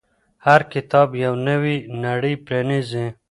هر کتاب یوه نوې نړۍ پرانیزي.